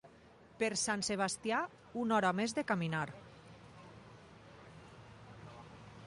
Per Sant Sebastià, una hora més de caminar.